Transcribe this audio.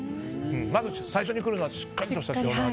まず最初に来るのはしっかりとした塩の味。